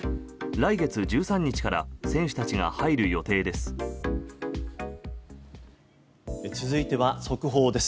来月１３日から選手たちが入る予定です。